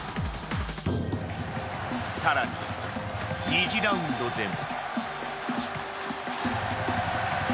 更に、２次ラウンドでも。